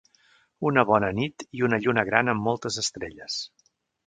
Una bona nit i una lluna gran amb moltes estrelles.